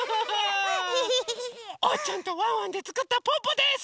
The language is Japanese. おうちゃんとワンワンでつくったぽぅぽです！